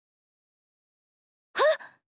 はっ！